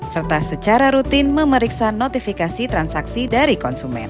serta secara rutin memeriksa notifikasi transaksi dari konsumen